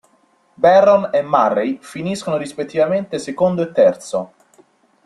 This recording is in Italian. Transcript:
Barron e Murray finiscono rispettivamente secondo e terzo.